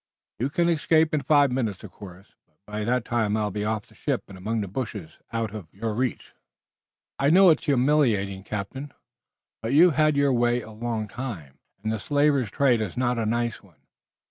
You can escape in five minutes, of course, but by that time I'll be off the ship and among the bushes out of your reach. Oh, I know it's humiliating, captain, but you've had your way a long time, and the slaver's trade is not a nice one.